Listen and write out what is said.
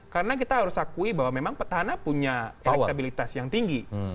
karena kita harus akui bahwa memang petahana punya elektabilitas yang tinggi